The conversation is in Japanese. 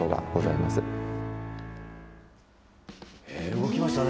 動きましたね。